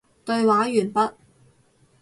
對話完畢